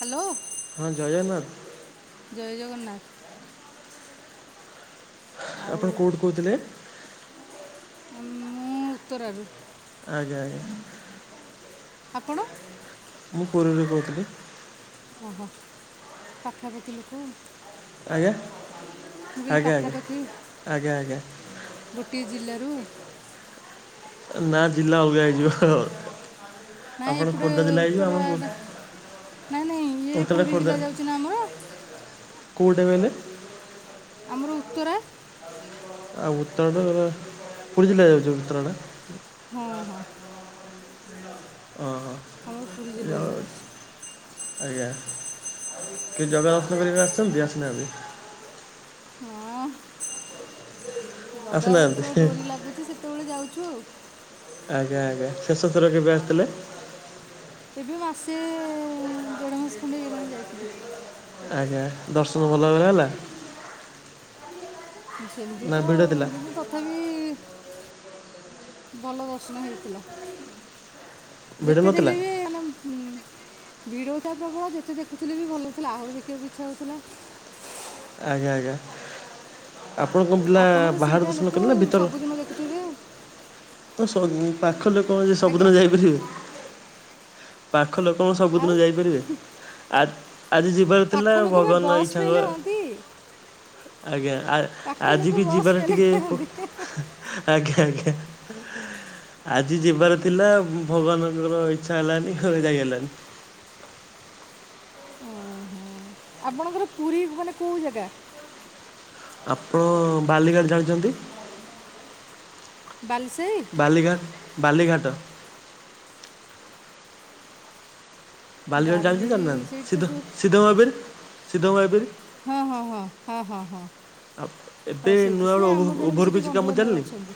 Hello ହଁ ଜୟ ଜଗନ୍ନାଥ ଜୟ ଜଗନ୍ନାଥ। ଆଉ ଆପଣ କୋଉଠୁ କହୁଥିଲେ? ମୁଁ ଉତ୍ତରାରୁ। ଆଜ୍ଞା ଆଜ୍ଞା। ଆପଣ? ମୁଁ ପୁରୀରୁ କୋହୁଥିଲି। ଓହୋ ପାଖାପାଖି ଲୋକ ଆଉ। ଆଜ୍ଞା, କହିଲି ଆଜ୍ଞା ଆଜ୍ଞା, ପାଖାପାଖି ଆଜ୍ଞା ଆଜ୍ଞା। ଗୋଟିଏ ଜିଲ୍ଲାରୁ ନା ଜିଲ୍ଲା ଅଲ୍ଗା ହେଇଯିବ। ନାଇଁ ଆପଣ ଏପଟେ ଖୋର୍ଦ୍ଧା ଜିଲ୍ଲା ହେଇଯିବ ଆମ ଉତ୍ତରା ନାଇଁ ନାଇଁ ଇଏ ଉତ୍ତରଟା ପୁରୀ ଖୋର୍ଦ୍ଧା ଜିଲ୍ଲା ଯାଉଚି ନା ଆମର। କୋଉଟା କଇଲେ? ଆମର ଉତ୍ତରା ଆଉ ଉତ୍ତରା ଟା ହେଲା ପୁରୀ ଜିଲ୍ଲା ଯାଉଚି ଉତ୍ତରା ଟା। ହଁ ହଁ। ହଁ ହ ଆମର ପୁରୀ ଜିଲ୍ଲା ଯାଉ ଯାଉଛି ଆଜ୍ଞା କି ଜଗା ଦର୍ଶନ କରିବାକୁ ଆସିଚନ୍ତି ଆସି ନାହାନ୍ତି। ହଁ ଜଗାର ଆସିନାହାନ୍ତି ଯେତେବେଳେ ଡୋରି ଲାଗୁଛି ସେତେବେଳେ ଯାଉଛୁ ଆଉ। ଆଜ୍ଞା ଆଜ୍ଞା ଶେଷ ଥର କେବେ ଆସିଥିଲେ? ଏବେ ମାସେ ଦେଢ ମାସ୍ ଖଣ୍ଡେ ହେଇଗଲାଣି ଯାଇଥିଲୁ। ଆଜ୍ଞା ଦର୍ଶନ ଭଲ ଭାବରେ ହେଲା? ସେମ୍ତି ନା ତ ଭିଡ଼ ଥିଲା? କିନ୍ତୁ ତ ଥାପି ଭଲ ଦର୍ଶନ ହେଇଥିଲା। ଭିଡ଼ ଯେତେ ନଥିଲା ଦେଲେ ବି ମାନେ ହୁଁ ଭିଡ଼ ହୋଉଥାଏ ପ୍ରବଳ ଯେତେ ଦେଖୁଥିଲେ ବି ଭଲ ହୋଉଥୁଲା ଆହୁରି ଦେଖିବାକୁ ଇଚ୍ଛା ହଉଥୁଲା। ଆଜ୍ଞା ଆଜ୍ଞା ଆପଣଙ୍କ ପିଲା ବାହାର ଦର୍ଶନ କରିଲେ ନା ଭିତର ଅଁ ଦେଖୁଥିବେ ଆଉ। ତ ସ ପାଖ ଲୋକ ଆଜ୍ଞା ସବୁଦିନ ଯାଇପାରିବେ। ପାଖ ଲୋକ କଁ ଆଉ ସବୁଦିନ ଯାଇପାରିବେ ଆ ଆଜି ଯି ବାର ପାଖ ଥିଲା ଲୋକ ବା ଭଗବାନ ବସ୍ ଫେଲ୍ ଇଛାଙ୍କ ହୁଅନ୍ତି ଆଜ୍ଞା ଆ ପାଖ ଲୋକ ଆଜି ବି ବସ୍ ଯିବାର ଫେଲ୍ ଟିକେ ପୁ, ହେଇଥାନ୍ତି ଆଜ୍ଞା ଆଜ୍ଞା। ଆଜି ଯିବାର ଥିଲା ଭଗବାନଙ୍କର ଇଛା ହେଲାନି ଆଉ ଯାଇ ହେଲାନି। ଆପଣଙ୍କର ପୁରୀ ମାନେ କୋଉ ଜାଗା? ଆପଣ ବାଲିଗଡି ଜାଣିଚନ୍ତି। ବାଲିସାଇ। ବାଲିଘା ବାଲିଘାଟ। ବାଲିଗଡ଼ି ଚାଲିଚନ୍ତି ବାଲି ଜାଣିନାହାନ୍ତି ସେଇଠି ତ ସିଧ ଯେଉଁ ସିଧ ମହାବିର୍ ସିଧ ମହାବିରି ଭପାରରି ସିଦ୍ଧଙ୍କ ଭାଇପାରରି ହଁ ହଁ ହଁ, ହଁ ହଁ ହଁ। ଆ ଏବେ ଆଉ ସେଇଠି ନୂଆ ସେ ଗୋଟେ ଆମର ଓଭର୍ ଜଣେ ବି ସେଠି ଭରବ୍ରିଜ୍ କାମ ବନ୍ଧୁବାନ୍ଧବ ଚାଲିନି। ଅଛନ୍ତି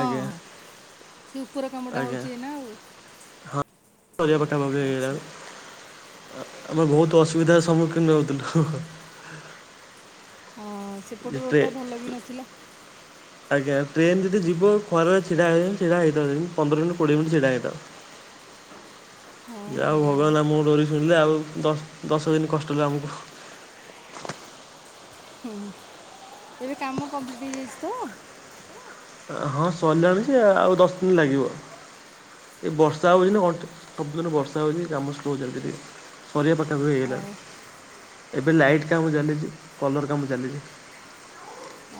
ଆଜ୍ଞା ସେ ଉପରେ କାମଟା ଆଜ୍ଞା ହୋଉଚି। ଏନା ଆଉ କରିବା ପାଖା‌ପାଖି କାମ ଆଚ୍ଛା ହେଇଗଲାଣି ଆମେ ବହୁତ ଅସୁବିଧାର ସମ୍ମୁଖୀନ ହଉଥିଲୁ ହଁ। ସେପଟ ଏଵେ ରୋଡ଼୍ଟା ଭଲ ବି ନଥିଲା ଆଜ୍ଞା ଟ୍ରେନ ଯଦି ଯିବ ଖରା ଛିଡା ହେଇ ଛିଡା ହେଇଥାଉ ପନ୍ଦର ମିନିଟ କୋଡିଏ ମିନିଟ ଛିଡା ହେଇଥାଉ। ହଁ [unintelligible] ଆଉ ହଁ ଭଗବାନ ଆମ ଡୋରି ଶୁଣିଲେ ଆଉ ଦଶ ଦଶ ଦିନ କଷ୍ଟ ହେଲା ଆମକୁ ହୁଁ ଏବେ କାମ କମ୍ପ୍ଲିଟ୍ ହେଇଯାଇଛି ତ? ହଁ ସରିଲାଣି ସେ ଆଉ ଦଶ ଦିନ ଲାଗିବ। ଏ ବର୍ଷା ହଉଛି ନା ସବୁଦିନ ବର୍ଷା ହଉଛି କାମ ସ୍ଲୋଉ ଚାଲିଛି ଟିକେ ସରିବା ପାଖା ହଁ ହେଇଗଲାଣି ଏବେ ଲାଇଟ୍ କାମ ଚାଲିଛି କଲର୍ କାମ ଚାଲିଛି।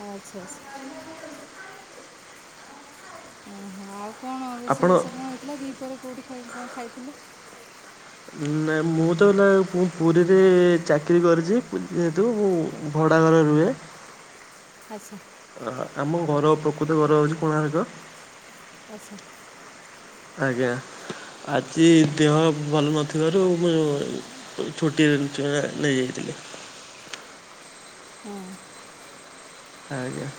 ଆଚ୍ଛା ଆଚ୍ଛା। ଓହୋ ଆଉ କଣ ରୋଷେଇ ଆପଣ ବାସ କଣ ହେଇଥିଲା ଦୁଇ ପରେ କେଉଁଠି କଣ ଖାଇଥିଲେ? ନା ମୁଁ ତ ହେଲା ପୁ-ପୁରୀରେ ଚାକିରି କରିଛି ଯେହେତୁ ମୁ ଭଡ଼ା ଘରେ ରୁହେ। ଆଚ୍ଛା। ଓହ ଆମ ଘର ପ୍ରକୃତ ଘର ହଉଛି କୋଣାର୍କ। ଆଚ୍ଛା। ଆଜ୍ଞା ଆଜି ଦେହ ଭଲ ନଥିବାରୁ ମୁଁ ଛୁଟି [unintelligible] ନେଇ ଯାଇଥିଲି। ହଁ। ଆଜ୍ଞା।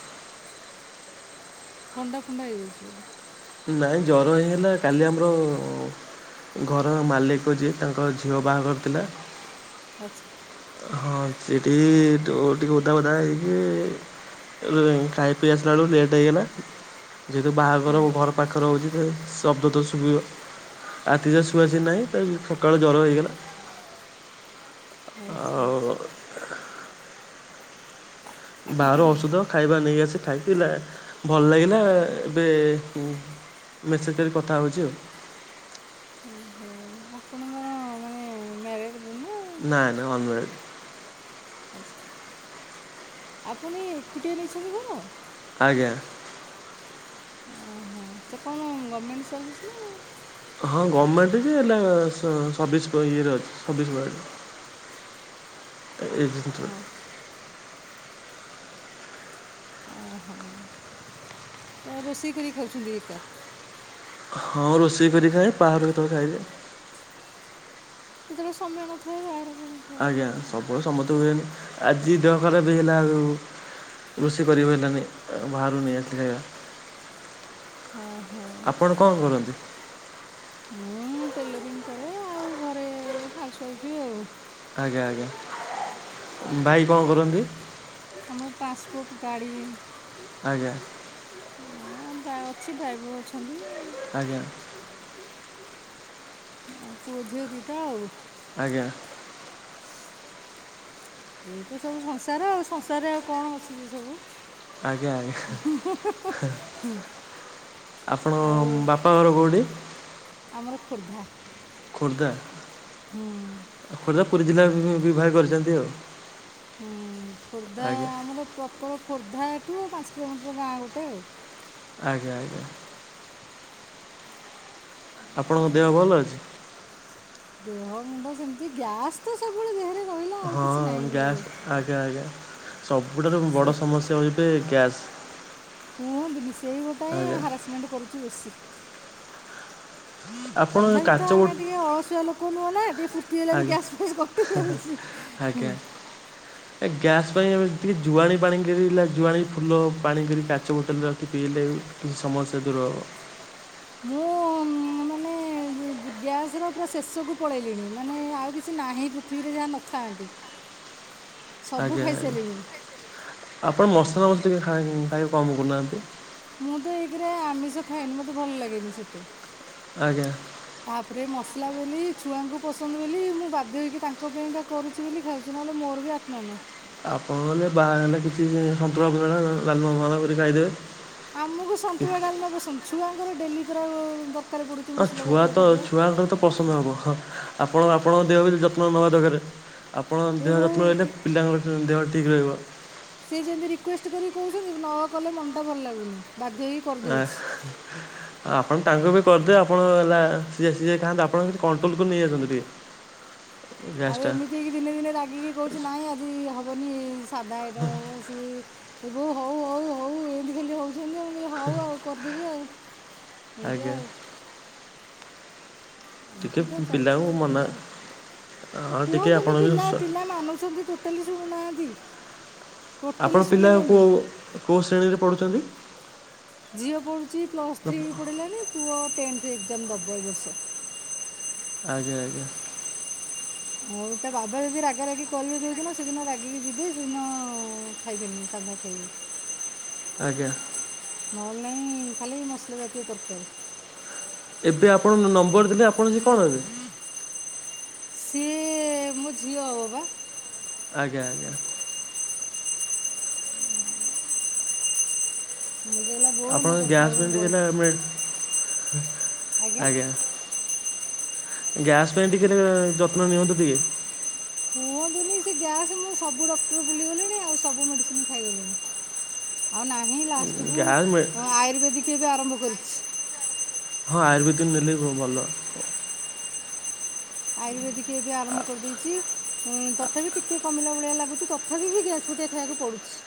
ଥଣ୍ଡା ଫଣ୍ଡା ହେଇଯାଇଛି ବୋଧେ? ନାଇଁ ଜର ହେଇ ହେଲା କାଲି ଆମର ଘରର ମାଲିକ ଯିଏ ତାଙ୍କ ଝିଅ ବାହାଘର ଥିଲା। ଆଚ୍ଛା। ହଁ ସେଠି ଟିକେ ଓଧା ଫଧା ହେଇ କି ଖାଇ ପିଇ ଆସିଲା ବେଳୁ ଲେଟ୍ ହେଇଗଲା ଯେହେତୁ ବାହାଘର ହଁ ଘର ପାଖରେ ହେଉଛି ଶବ୍ଦ ତ ଶୁଭିବ। ରାତିରେ ଶୁଆସୁଇ ନାହିଁ ସକାଳୁ ଜର ହେଇଗଲା। ଆଚ୍ଛା ଆଚ୍ଛା ଆଉ ବାହାର ଔଷଧ ଖାଇବା ନେଇ ଆସି ଖାଇଥିଲା ଆ ଭଲ ଲାଗିଲା ଏବେ ମେସେଜ୍ ରେ କଥା ହେଉଛି ଆଉ। ଓହୋ! ଆପଣଙ୍କର ମାନେ ମ୍ୟାରେଡ ନା ନାଁ ନାଁ ଅନମ୍ୟାରେଡ ଆଚ୍ଛା ଆପଣ ଏକୁଟିଆ ନେଇଛନ୍ତି ଘର? ଆଜ୍ଞା। ହଁ ସେ କଣ ଗମେଣ୍ଟ ସର୍ଭିସ୍ ନା ହଁ ଗମେଣ୍ଟ ଯେ ହେଲେ ସ- ସର୍ବିଶ ଇଏରେ ଅଛି ସର୍ବିଶ ଭଳିଆ। ଏଇ [unintelligible] ହଁ ଏ ରୋଷେଇ କରିକି ଖାଉଛନ୍ତି ଏକା? ହଁ ରୋଷେଇ କରି ଖାଏ ପାହାରେ କେତବେଳେ ଖାଇଦିଏ। ସେତେବେଳେ ସମୟ ନଥାଏ ବାହାର କିଣ [unintelligible] ଆଜ୍ଞା ସବୁବେଳେ ସମତ ହୁଏନି ଆଜି ଦେହ ଖରା ବି ହେଲା ଆଉ ରୋଷେଇ କରି ପାରିଲିନୀ ଏ ବାହାରୁ ନେଇ ଆସଲି ଖାଇବା। ହଁ ହଁ। ଆପଣ କଣ କରନ୍ତି? ମୁଁ ଟେଲରିଂ କରେ ଆଉ ଘରେ ହାଉସ୍ୱାଇଫ୍ ବି ଆଉ। ଆଜ୍ଞା ଆଜ୍ଞା ଭାଇ କଣ କରନ୍ତି? ଆମର ଟ୍ରାନ୍ସପୋର୍ଟ ଗାଡ଼ି ଆଜ୍ଞା। ଅଁ, ଅଛି ଡ୍ରାଇଭର ଅଛନ୍ତି। ଆଜ୍ଞା। ଆଉ ପୁଅ ଝିଅ ଦିଇଟା ଆଉ। ଆଜ୍ଞା। ଏଇ ତ ସବୁ ସଂସାର ଆଉ ସଂସାରରେ ଆଉ କଣ ଅଛି ଯେ ସବୁ। ଆଜ୍ଞା ଆଜ୍ଞା [unintelligible] ଆପଣ ଆଉ ବାପ ଘର କୋଉଁଠି? ଆମର ଖୋର୍ଦ୍ଧା। ଖୋର୍ଦ୍ଧା। ହୁଁ ଖୋର୍ଦ୍ଧା ପୁରୀ ଜିଲ୍ଲା ରେ ବିବାହ କରିଛନ୍ତି ଆଉ। ହୁଁ, ଖୋର୍ଦ୍ଧା ଆଜ୍ଞା ଆମର ପ୍ରପର ଖୋର୍ଦ୍ଧାଠୁ ପାଞ୍ଚ କିଲୋମିଟର ଗାଁ ଗୋଟେ ଆଉ। ଆଜ୍ଞା ଆଜ୍ଞା। ଆପଣଙ୍କ ଦେହ ଭଲ ଅଛି? ଦେହ ମୁଣ୍ଡ ସେମିତି, ଗ୍ୟାସ୍ ତ ସବୁବେଳେ ଦେହରେ ରହିଲା ଆଉ ହଁ କିଛି ନାହିଁ ଗ୍ୟାସ୍ ନହେଲେ। ଆଜ୍ଞା ଆଜ୍ଞା। ସବୁଠାରୁ ସେ ବଡ଼ ସମସ୍ୟା ହେଉଛି ଗ୍ୟାସ୍। କୁହନ୍ତିନି ସେଇ ଗୋଟା ହିଁ ଆଜ୍ଞା ହାରାସମେଣ୍ଟ କରୁଛି ବେଶୀ। ଆପଣ ତଥାପି ତ କାଚ ବୋଟ ଆମେ ଟିକେ ଅଳସୁଆ ଲୋକ ନୁହଁ ନା ଟିକେ ଫୁର୍ତ୍ତି ହେଲାରୁ ଆଜ୍ଞା ଗ୍ୟାସ୍ ଫ୍ୟାସ୍ କଟି ଯାଉଚି। ଆଜ୍ଞା। ଏ ଗ୍ୟାସ୍ ପାଇଁ ଆମେ ଯେତିକି ଜୁଆଣି ପାଣି କରଲା ଜୁଆଣି ଫୁଲ ପାଣି କରି କାଚ ବୋତଲରେ ପିଇଲେ ବି କିଛି ସମସ୍ୟା ଦୂର ହେବ। ଗ୍ୟାସ ର ପୁରା ଶେଷକୁ ପଳେଇଲିଣି। ମାନେ ଆଉ କିଛି ନାହିଁ ପୃଥିବୀରେ ଯାହା ନ ଖାଆନ୍ତି। [inaudible] ସବୁ ଆଜ୍ଞା ଆଜ୍ଞା। ଖାଇସାରିଲିଣି ଆପଣ ମସଲା ମସଲି ଖାଇ ଖାଇବା କମ୍ କରୁନାହାନ୍ତି। ମୁଁ ତ ଏକ ରେ ଆମିଷ ଖାଏନି, ମତେ ଭଲ ଲାଗେନି ସେତେ। ଆଜ୍ଞା। ତାପରେ ମସଲା ବଲି ଛୁଆଙ୍କୁ ପସନ୍ଦ ବୋଲି ମୁଁ ବାଧ୍ୟ ହୋଇକି ତାଙ୍କ ପାଇଁକା କରୁଚି ବୋଲି ଖାଉଛି। ନହେଲେ ମୋର ବି। [unintelligible] ଆପଣ ନହେଲେ ବାହା ହେଲେ କିଛି ସନ୍ତୁଳା ଫନ୍ତୁଲ ଡ଼ାଲମା ଫାଲ୍ମା କରି ଖାଇଦେବେ। ଆମକୁ ସନ୍ତୁଳା ଡାଲମା ପସନ୍ଦ। ଛୁଆଙ୍କର ଡେଲି ପରା ଦର ହଁ ଛୁଆ ତ ଛୁଆଙ୍କର ବି ତ ପସନ୍ଦ ହବ। ହଁ ଆପଣ ଆପଣଙ୍କ ଦେହ ବି ଯତ୍ନ ନବା ଦରକାର। ଆପଣ ଏ ଦେହ ବୋଉ ଯତ୍ନ ନେଲେ ଟି- ପିଲାଙ୍କ ଦେହ ଠିକ୍ ରହିବ। ସେ ଯେମିତି ରିକ୍ୟୁଷ୍ଟ କରି କହୁଛନ୍ତି ନ କଲେ ମନ ଟା ଭଲ ଲାଗୁନି। ବାଧ୍ୟ ହେ [unintelligible] ଆପଣ ତାଙ୍କ ପାଇଁ କରିଦେବେ। ଆପଣ ହେଲା ସିଝା ସିଝା ଖାଆନ୍ତୁ। ଆପଣ କିନ୍ତୁ କଣ୍ଟ୍ରୋଲକୁୁ ନେଇ ଆସନ୍ତୁ ଟିକେ। ଆଉ ଗ୍ୟାସ୍ଟା ଏମିତି ଦିନେ ଦିନେ ରାଗିକି କହୁଚି ନାଇଁ ଆଜି ହବନି ସାଧା ଆଇଟମ ହବ। ସିଏ ଏ ବୋଉ ହଉ ହଉ ହଉ ଏମିତି ଖାଲି ହଉଛନ୍ତି ଆଉ। ମୁଁ କହିଲି ହଉ ଆଉ କରିଦେବି ଆଉ, ଏମିତି ଆଜ୍ଞା ଆଉ। ଟିକେ ଏମିତି ତ ଚାଲିଚି ପିଲାଙ୍କୁ ଆଉ। ମନା ପିଲାଙ୍କୁ ହଁ ଟିକେ ଆପଣ କୁହନ୍ତୁନି ବି ପିଲା ସ ପିଲା ମାନୁଛନ୍ତି ଟୋଟାଲି ଶୁଣୁନାହାନ୍ତି। ଟୋଟାଲି ଆପଣ ପିଲା ଶୁଣିବେନି କେଉଁ କେଉଁ ଶ୍ରେଣୀରେ ପଢ଼ୁଛନ୍ତି? ଝିଅ ପଢ଼ୁଚି ପ୍ଲସ୍ ଥ୍ରୀ ପଢ଼ିଲାଣି ପୁଅ ଟେନ୍ଥ ଏକ୍ଜାମ ଦବ ଏ ବର୍ଷ। ଆଜ୍ଞା ଆଜ୍ଞା। ଆଉ ତା ବାବା ଯଦି ରାଗା ରାଗି କରିବେ ଯୋଉଦିନ ସେଦିନ ରାଗିକି ଯିବେ ସେଦିନ ଖାଇବେନି ସାଧା ଖାଇବେ। ଆଜ୍ଞା। ନହେଲେ ନାହିଁ ଖାଲି ମସଲା ଜାତୀୟ ତରକାରୀ। ଏବେ ଆପଣ ଯୋଉ ନମ୍ବର ଦେଲେ ଆପଣ ସେ କଣ ହେବେ? ସିଏ ମୋ ଝିଅ ହବ ପା। ଆଜ୍ଞା ଆଜ୍ଞା। ମୁଁ କହିଲା ବୋଉ ନେ ଆପଣଙ୍କ କଥା ଗ୍ୟାସ୍ ହେବ ପାଇଁ ଟିକେ ବଳେ ନା ଆମେ ଆଜ୍ଞା। ଗ୍ୟାସ୍ ପାଇଁ ଟିକେ ଯତ୍ନ ନିଅନ୍ତୁ ଟିକେ। କୁହନ୍ତୁନି ସେ ଗ୍ୟାସ୍ ମୁଁ ସବୁ ଡକ୍ଟର ବୁଲିଗଲିଣି ଆଉ ସବୁ ମେଡ଼ିସିନ ଖାଇଗଲିଣି। ଆଉ ନାହିଁ ଲାଷ୍ଟକୁୁ ଗ୍ୟାସ୍ ମେ ଆୟୁର୍ବେଦିକ ଏବେ ଆରମ୍ଭ କରିଛି। ହଁ ଆୟୁର୍ବେଦିକ ନେଲେ ବି ଭଲ। ଆୟୁର୍ବେଦିକ ଏବେ ଆରମ୍ଭ କରିଦେଇଚି ଉଁ ତଥାପି ଟିକେ କମିଲା ଭଳିଆ ଲାଗୁଚି। ତତ୍ ତଥାପି ବି ଗ୍ୟାସ ବଟିକା ଖାଇବାକୁ ପଡୁଛି।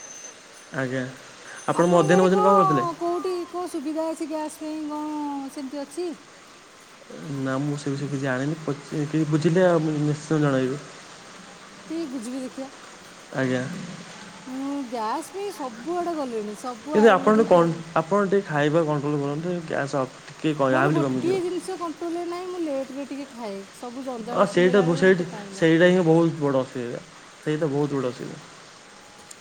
ଆଜ୍ଞା। ଆପଣ ଆପଣଙ୍କ ମଧ୍ୟାହ୍ନ ଆଡ଼େ ଭୋଜନ କରିଥିଲେ କଣ କୋଉଠି କୋଉ ସୁବିଧା ଅଛି ଗ୍ୟାସ୍ ପାଇଁ କଣ ସେମିତି ଅଛି? ନା ମୁଁ ସେ ବିଷୟ କିଛି ଜାଣିନି। ପଚ କେହି ବୁଝିଲେ ଆଉ ଆପ ନିଶ୍ଚିନ୍ତ ଜଣେଇବି। ଟି ବୁଝିବେ ଦେଖିବା। ମୁଁ ଗ୍ୟାସ୍ ପାଇଁ ସବୁଆଡ଼େ ଗଲିଣି। ସବ କିନ୍ତୁ ଆପଣ କନ୍ ଆପଣ ଟିକେ ଖାଇବା କଣ୍ଟ୍ରୋଲ୍ କରନ୍ତୁ। ଗ୍ୟାସ୍ ଅ ମୋର ଗୋଟିଏ ଜିନିଷ କଣ୍ଟ୍ରୋଲରେ ନାହିଁ ମୁଁ ଲେଟରେ ଟିକେ ଖାଏ। ସବୁ ଜଞ୍ଜାଳ ହଁ ସେଇଟା ଛିଣ୍ଡେଇଲା ବୁ ବେଳକୁ ମୋତେ ସେଇଠି ଟାଇମ୍ ଲାଗେ ସେଇଟା ହିଁ ବହୁତ ବଡ ଅସୁବିଧା, ସେଇଟା ବହୁତ ବଡ଼ ଅସୁବିଧା।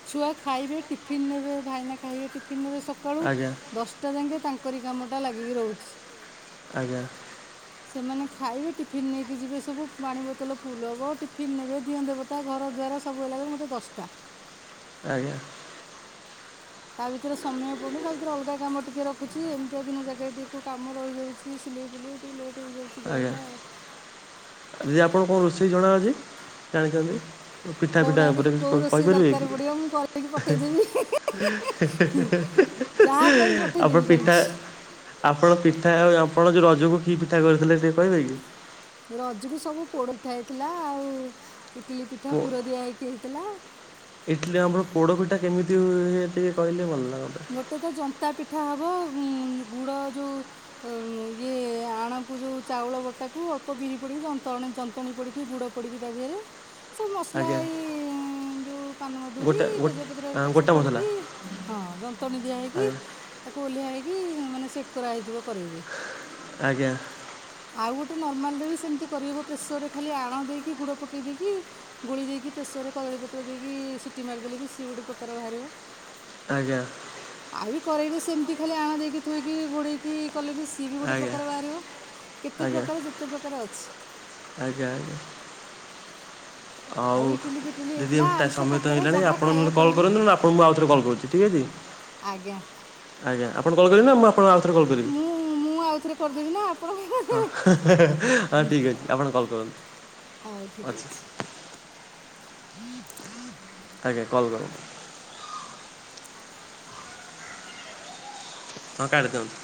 ଛୁଆ ଖାଇବେ ଟିଫିନ୍ ନେବେ ଭାଇନା ଖାଇବେ ଟିଫିନ୍ ନେବେ। ସକାଳୁ ଆଜ୍ଞା। ଦଶ ଟା ଯାଙ୍କେ ତାଙ୍କରି କାମଟା ଲାଗିକି ରହୁଛି। ଆଜ୍ଞା। ସେମାନେ ଖାଇବେ ଟିଫିିନ ନେଇକି ଯିବେ ସବୁ। ପାଣି ବୋତଲ ଫୁଲ ହବ ଟିଫିିନ ନେବେ ଦିଅଁ ଦେବ ତା, ଘର ଦ୍ୱାର ସବୁ ହେଲା କେ ମୋତେ ଦଶଟା। ଆଜ୍ଞା। ତା ଭିତରେ ସମୟ ପଡୁନି ତା ଭିତରେ ଅଲଗା କାମ ଟିକେ ରଖୁଚି। ଏମିତିଆ ଦିନ ଜାଗାରେ ଟିକେ କାମ ରହିଯାଉଚି ସିଲେଇ ଫିଲେଇ। ଟିକେ ଲେଟ ହେଇଯାଉ ଆଜ୍ଞା, ଯେ ଆପଣ କଣ ରୋଷେଇ ଜଣା ଅଛି ଜାଣିଚନ୍ତି? ପିଠା, ପିଠା କହୁନାହାନ୍ତି ଉପରେ କି କେଉଁ ରୋଷେଇ କହିପାରିବେ ଦରକାର କି? ପଡ଼ିବ ମୁଁ କରିକି ପଠେଇଦେବି ଯାହା କହିବି ଆପଣ ପଠେଇଦେବି ପିଠା କରିକି ଆପଣ ପିଠା ଆ ଆପଣ ଯୋଉ ରଜକୁ କି ପିଠା କରିଥିଲେ ସେ କହିବେ କି? ରଜକୁ ସବୁ ପୋଡ଼ପିଠା ହେଇଥିଲା ଆଉ ଇଡ଼ିଲି ପିଠା କି? ପୁର ଦିଆ ହେଇକି ହେଇଥିଲା। ଇଟିଲି ଆମର ପୋଡ଼ିପିଠା କେମିତି ହୁଏ ଟିକେ କହିଲେ ଭଲ ଲାଗନ୍ତା। ଗୋଟେ ତ ଜନ୍ତା ପିଠା ହବ। ଉଁ ଗୁଡ଼ ଯୋଉ ୟମ୍ ଇଏ ଆଣକୁ ଯେଉଁ ଚାଉଳ ବଟାକୁ ଅଳ୍ପ ବିରି ପଡ଼ିକି ଜନ୍ତରଣି ଜନ୍ତଣି ପଡ଼ିକି ଗୁଡ଼ ପଡ଼ିିକ ତାଦିହରେ ସବୁ ମସଲା ଆଜ୍ଞା ଏଇ ଯେଉଁ ପାନମଧୁରିୀ, ଗୋଟା ଗୋ ତେଜପତ୍ର ଆଁ ହାରିକ ସବୁ ଗୋଟା ମସଲା ପଡ଼ିକି ହଁ ଯନ୍ତଣୀ ଦିଆହେଇକି ଆଜ୍ଞା ତାକୁ ଓଲ୍ହା ହେଇକି ମାନେ ସେଟ୍ କରାହେଇଯିବ କରେଇରେ। ଆଜ୍ଞା। ଆଉ ଗୋଟେ ନର୍ମାଲରେ ବି ସେମିତି କରିହେବ ପ୍ରେସରରେ ଖାଲି ଆଣ ଦେଇକି ଗୁଡ଼ ପକେଇ ଦେଇକି ଗୋଳି ଦେଇକି ପ୍ରେସରରେ କଦଳୀପତ୍ର ଦେଇକି ସିଟି ମାରିଦେଲେ ବି ସିଏ ଗୋଟେ ପ୍ରକାର ବାହାରିବ। ଆଜ୍ଞା। ଆଉ ବି କରେଇରେ ସେମିତି ଖାଲି ଆଣ ଦେଇକି ଥୋଇକି ଘୋଡ଼େଇକି କଲେ ବି ସିଏ ବି ଗୋଟେ ଆଜ୍ଞା ପ୍ରକାର ବାହାରିବ। ଯେତେ ଆଜ୍ଞା ପ୍ରକାର ଯେତେ ପ୍ରକାର ଅଛି। ଆଜ୍ଞା, ଆଜ୍ଞା। ଆଉ ଇଟିଲି, ପିଟିଲି ଦିଦି ହେଇଥିଲା ଏବେ ଟା ଆରିସା, ସମୟ ତ କାକେରେ ହେଇଗଲାଣି ଯାହା ଆପଣ ନହେଲେ ଖାଇବାକୁ କଲ୍ କହିବେ। କରନ୍ତୁ ନହେଲେ ଆପଣଙ୍କୁ ମୁଁ ଆଉଥରେ କଲ୍ କରୁଛି ଠିକ୍ ଅଛି ଆଜ୍ଞା। ଆଜ୍ଞା ଆପଣ କଲ କରିବେ ନା ମୁଁ ଆପ୍ ପୁଣି ଆଉ ଥରେ କରୁ ମୁଁ ମୁଁ ଆଉଥରେ କରିଦେବି ନା ଆପ୍ ହଁ, ହଁ ଠିକ ଅଛି ଆପଣ କଲ୍ କରନ୍ତୁ। ହଉ ଠିକ ଅଛି। [inaudible] ଆଜ୍ଞା, କଲ କରନ୍ତ ହଁ କାଟି ଦିଅନ୍ତୁ।